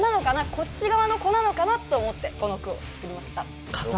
こっち側の子なのかなと思ってこの句を作りました。